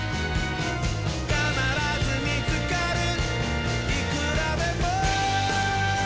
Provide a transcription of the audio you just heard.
「かならずみつかるいくらでも」